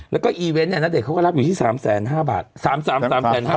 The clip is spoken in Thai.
แล้วก็อีเวนต์เนี้ยณเดชน์เขาก็รับอยู่ที่สามแสนห้าบาทสามสามสามแสนห้า